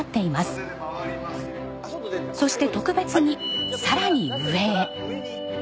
そして特別にさらに上へ。